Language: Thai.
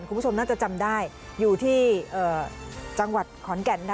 คุณผู้ชมน่าจะจำได้อยู่ที่จังหวัดขอนแก่นนะ